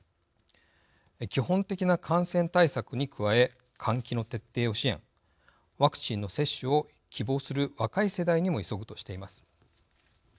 基本的な感染対策に加え換気の徹底を支援ワクチンの接種を希望する若い世代にも急ぐとしています。